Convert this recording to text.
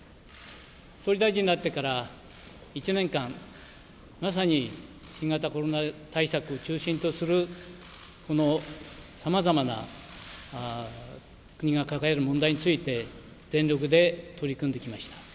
総理大臣になってから１年間、まさに新型コロナ対策を中心とする、このさまざまな、国が抱える問題について、全力で取り組んできました。